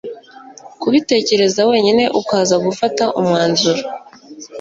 Kubitekereza wenyine ukaza gufata umwanzuro